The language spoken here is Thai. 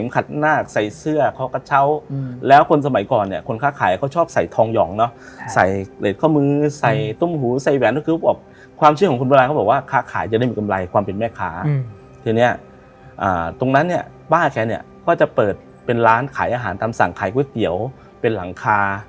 ขัดนาคใส่เสื้อเคาะกระเช้าแล้วคนสมัยก่อนเนี่ยคนค้าขายเขาชอบใส่ทองหย่องเนาะใส่เหล็กข้อมือใส่ตุ้มหูใส่แหวนก็คือบอกความเชื่อของคุณโบราณเขาบอกว่าค้าขายจะได้มีกำไรความเป็นแม่ค้าทีเนี้ยตรงนั้นเนี่ยป้าแกเนี่ยก็จะเปิดเป็นร้านขายอาหารตามสั่งขายก๋วยเตี๋ยวเป็นหลังคา